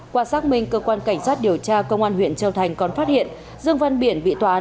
qua xác minh cơ quan cảnh sát điều tra công an huyện châu thành còn phát hiện dương văn biển bị tòa án